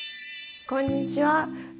こんにちは。